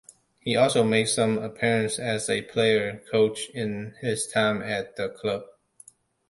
He also made some appearances as a player-coach in his time at the club.